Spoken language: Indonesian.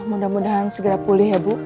mudah mudahan segera pulih ya bu